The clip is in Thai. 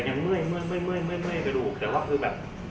แต่ยังเมื่อยกระดูกแต่ว่าคือแบบ